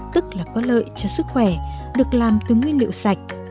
tức là có lợi cho sức khỏe được làm từ nguyên liệu sạch